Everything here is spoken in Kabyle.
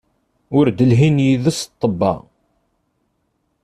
Ur d-lhin yid-s ṭṭebba.